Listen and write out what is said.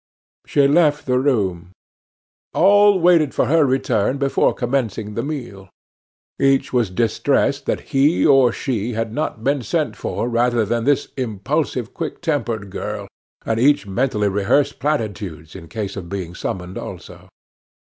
She left the room. All waited for her return before commencing the meal. Each was distressed that he or she had not been sent for rather than this impulsive, quick tempered girl, and each mentally rehearsed platitudes in case of being summoned also.